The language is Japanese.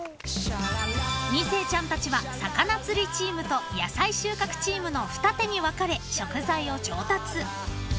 ［２世ちゃんたちは魚釣りチームと野菜収穫チームの二手に分かれ食材を調達］